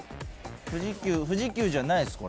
富士急じゃないです